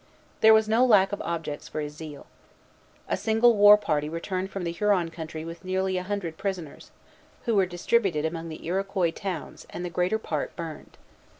There was no lack of objects for his zeal. A single war party returned from the Huron country with nearly a hundred prisoners, who were distributed among the Iroquois towns, and the greater part burned.